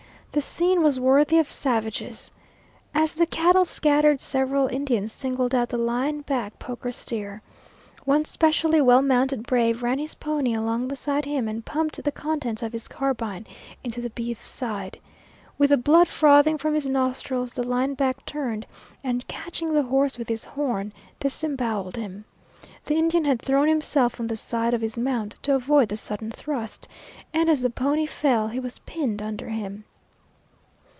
The scene was worthy of savages. As the cattle scattered several Indians singled out the line back poker steer. One specially well mounted brave ran his pony along beside him and pumped the contents of his carbine into the beef's side. With the blood frothing from his nostrils, the line back turned and catching the horse with his horn disemboweled him. The Indian had thrown himself on the side of his mount to avoid the sudden thrust, and, as the pony fell, he was pinned under him.